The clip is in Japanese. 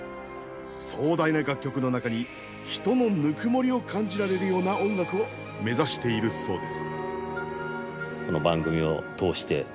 壮大な楽曲の中に人のぬくもりを感じられるような音楽を目指しているそうです。